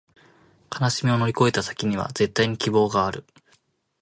悲しみを乗り越えた先には、絶対に希望がある